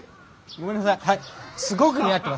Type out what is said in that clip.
ごめんなさい。